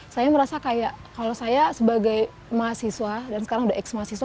saya merasa kayak kalau saya sebagai mahasiswa dan sekarang sudah ex mahasiswa